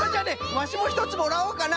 ワシもひとつもらおうかな。